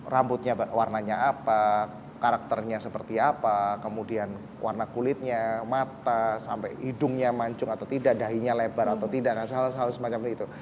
rambutnya warnanya apa karakternya seperti apa kemudian warna kulitnya mata sampai hidungnya mancung atau tidak dahinya lebar atau tidak nah hal hal semacam itu